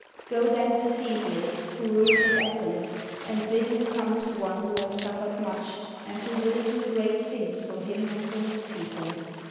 Go then to Theseus who rules at Athens, and bid him come to one who has suf fered much and who will do great things for him and for his people."